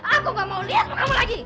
aku gak mau liat pun kamu lagi